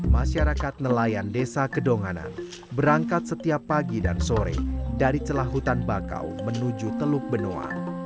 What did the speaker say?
masyarakat nelayan desa kedonganan berangkat setiap pagi dan sore dari celah hutan bakau menuju teluk benoa